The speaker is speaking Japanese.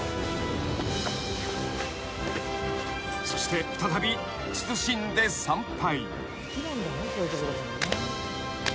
［そして再び謹んで参拝］